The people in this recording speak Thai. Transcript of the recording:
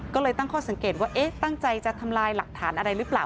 ก็เลยตั้งข้อสังเกตว่าเอ๊ะตั้งใจจะทำลายหลักฐานอะไรหรือเปล่า